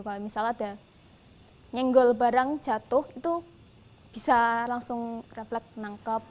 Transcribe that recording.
kalau misalnya ada nyenggol barang jatuh itu bisa langsung refleks menangkap